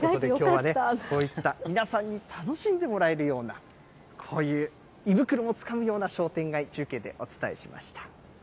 こういった皆さんに楽しんでもらえるような、こういう、胃袋もつかむような商店街、中継でお伝え